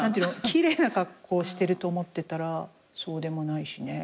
奇麗な格好してると思ってたらそうでもないしね。